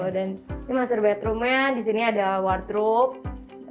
di master bedroom nya disini ada wardrobe